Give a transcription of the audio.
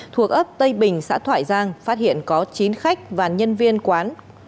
thuộc ấp tây bình xã thoại giang phát hiện có chín khách và nhân viên quán